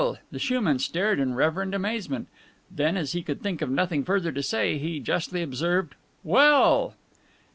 The shoeman stared in reverent amazement. Then, as he could think of nothing further to say, he justly observed, "Well!"